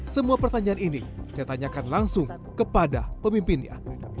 semua pertanyaan ini saya tanyakan langsung kepada pemimpinnya